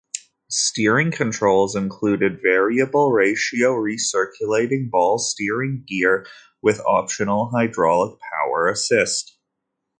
Steering controls included variable-ratio recirculating ball steering gear with optional hydraulic power assist.